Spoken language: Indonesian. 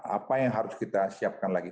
apa yang harus kita siapkan lagi